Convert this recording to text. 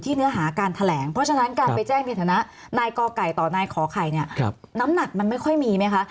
ต่อหน้าขอไข่นี่น้ำหนักมันไม่ค่อยมีไหมคะ